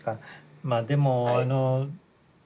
まあでもあの。